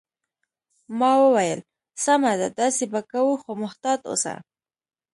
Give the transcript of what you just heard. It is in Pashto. ما وویل: سمه ده، داسې به کوو، خو محتاط اوسه.